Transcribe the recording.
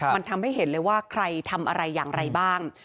มันทำให้เห็นเลยว่าใครทำอะไรอย่างไรบ้าง